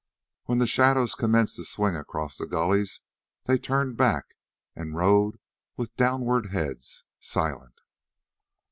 When the shadows commenced to swing across the gullies they turned back and rode with downward heads, silent.